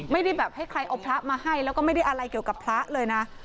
ไม่ได้แบบให้ใครเอาพระมาให้แล้วก็ไม่ได้อะไรเกี่ยวกับพระเลยนะ